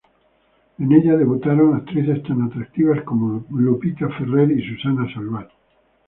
En ella debutaron actrices tan atractivas como Lupita Ferrer y Susana Salvat.